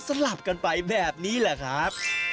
สลับกันไปแบบนี้แหละครับ